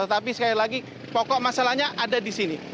tetapi sekali lagi pokok masalahnya ada di sini